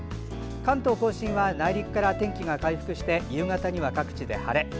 関東・甲信は内陸から天気が回復して夕方には各地で晴れ。